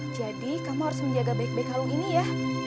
jadi kamu harus menjaga baik baik kalung ini ya